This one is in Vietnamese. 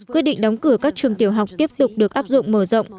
quyết định đóng cửa các trường tiểu học tiếp tục được áp dụng mở rộng